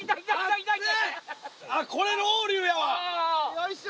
よいしょ！